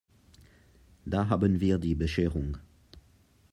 Da haben wir die Bescherung!